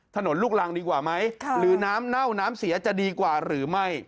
ลูกรังดีกว่าไหมหรือน้ำเน่าน้ำเสียจะดีกว่าหรือไม่